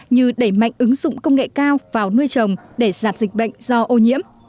như đẩy mạnh ứng dụng công nghệ cao vào nuôi trồng để giảm dịch bệnh do ô nhiễm